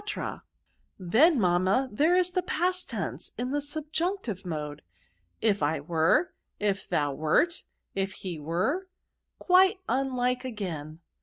VERBS. 263 " Then, mamma^ there is a past tense in the subjunetive mode — if I were, if thou wert, if he were — quite unlike again